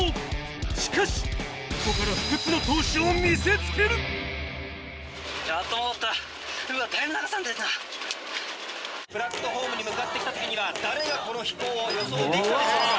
しかしここから不屈の闘志を見せつけるプラットホームに向かってきた時には誰がこの飛行を予想できたでしょうか。